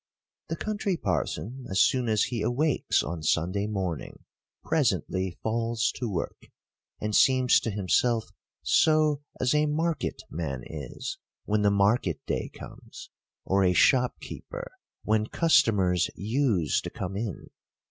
The Country Parson, as soon as he awakes on Sun day morning, presently falls to work, and seems to himself so as a market man is, when the market day comes ; or a shop keeper, when customers use to come in.